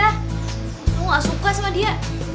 aku tuh gak suka sama dia